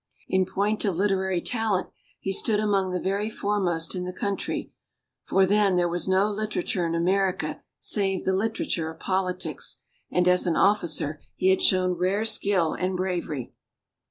In point of literary talent, he stood among the very foremost in the country, for then there was no literature in America save the literature of politics; and as an officer, he had shown rare skill and bravery.